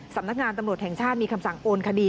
สำนักงานตำรวจแห่งชาติมีคำสั่งโอนคดี